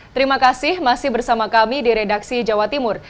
terima kasih masih bersama kami di redaksi jawa timur